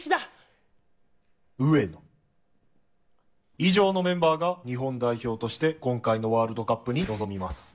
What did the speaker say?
以上のメンバーが日本代表として今回のワールドカップに臨みます。